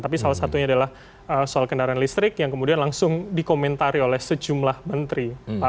tapi salah satunya adalah soal kendaraan listrik yang kemudian langsung dikomentari oleh sejumlah menteri